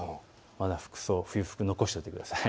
まだ服装、冬服残しておいてください。